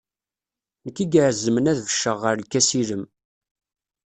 Nekk i iɛezmen ad becceɣ ɣer lkas ilem.